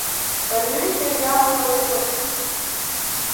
Рҩыџьегь амла иакыҵәҟьон.